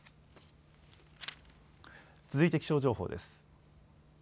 続いて気象情報です。